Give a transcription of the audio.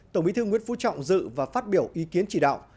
tổng bí thư nguyễn phú trọng dự và phát biểu ý kiến chỉ đạo